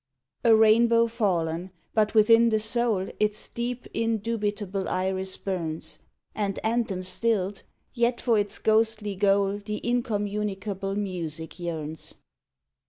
105 THE EVANESCENT CITY A rainbow fallen but within the soul Its deep, indubitable iris burns; And anthem stilled yet for its ghostly goal The incommunicable music yearns.